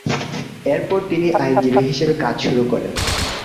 এরপর তিনি আইনজীবী হিসেবে কাজ শুরু করেন।